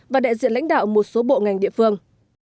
và đại diện lãnh đạo một số bộ ngành địa phương